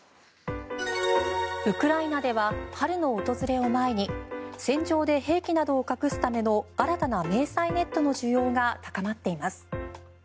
ウクライナでは春の訪れを前に戦場で兵器などを隠すための新たな迷彩ネットの需要が高まっています。